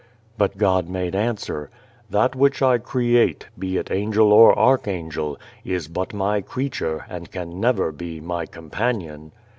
' But God made answer :" That which I create, be it angel or archangel, is but My creature, and can never be My companion."